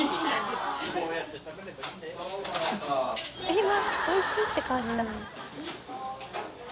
今おいしいって顔した。